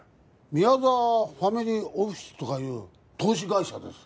宮沢ファミリーオフィスとかいう投資会社です